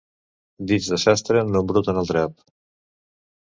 Dits de sastre no embruten el drap.